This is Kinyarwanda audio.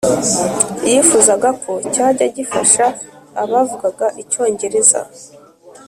yifuzaga ko cyajya gifasha abavugaga icyongereza